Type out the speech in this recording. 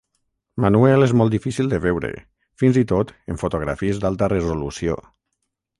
Manuel és molt difícil de veure, fins i tot en fotografies d'alta resolució.